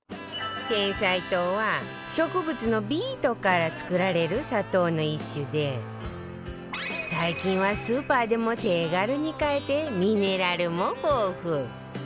てんさい糖は植物のビートから作られる砂糖の一種で最近はスーパーでも手軽に買えてミネラルも豊富